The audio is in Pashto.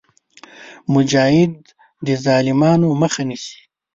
مجاهد د ظالمانو مخه نیسي.